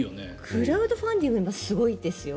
クラウドファンディング今すごいですよ。